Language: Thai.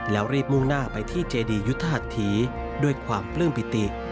แล้วรีบมุ่งหน้าไปที่เจดียุทธหัสถีด้วยความปลื้มปิติ